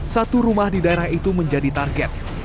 satu rumah di daerah itu menjadi target